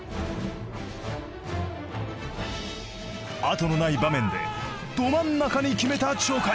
後のない場面でど真ん中に決めた鳥海。